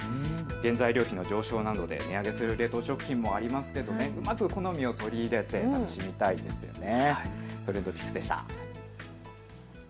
原材料費の状況などで値上げする冷凍食品もありますが、好みを取り入れて楽しみたいですよね。